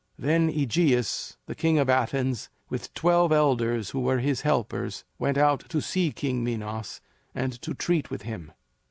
Then AEgeus, the king of Athens, with the twelve elders who were his helpers, went out to see King Minos and to treat with him.